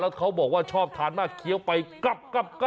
เขาบอกว่าชอบทานมากเคี้ยวไปกลับ